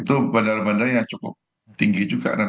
itu bandara bandar yang cukup tinggi juga